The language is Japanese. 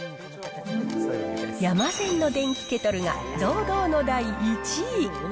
山善の電気ケトルが堂々の第１位。